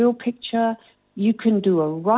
anda bisa menekan kanan